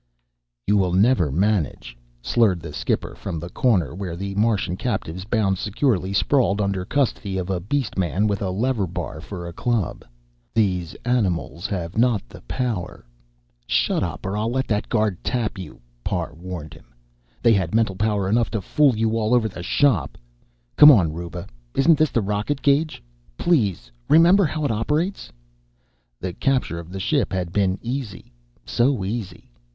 "You will never manage," slurred the skipper from the corner where the Martian captives, bound securely, sprawled under custody of a beast man with a lever bar for a club. "Thesse animalss have not mental powerr " "Shut up, or I'll let that guard tap you," Parr warned him. "They had mental power enough to fool you all over the shop. Come on, Ruba. Isn't this the rocket gauge? Please remember how it operates!" The capture of the ship had been easy, so easy.